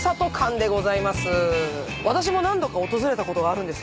私も何度か訪れたことがあるんですけど